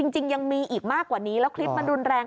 จริงยังมีอีกมากกว่านี้แล้วคลิปมันรุนแรง